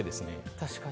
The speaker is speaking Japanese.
確かに。